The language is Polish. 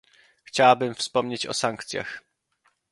Chciałabym wspomnieć o sankcjach